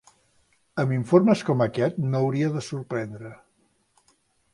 Amb informes com aquest, no hauria de sorprendre.